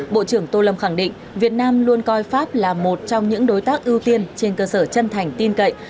bộ trưởng tô lâm khẳng định việt nam luôn coi pháp là một trong những đối tác ưu tiên trên cơ sở chân thành tin cậy